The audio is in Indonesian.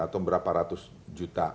atau berapa ratus juta